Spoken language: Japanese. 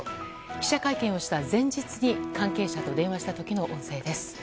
記者会見をした前日に関係者と電話した時の音声です。